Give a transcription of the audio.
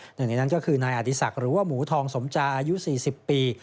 หนึ่งในนั้นก็คือนายอดีศักดิ์หรือว่าหมูทองสมจาอายุ๔๐ปี